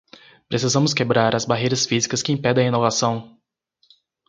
Precisamos quebrar as barreiras físicas que impedem a inovação.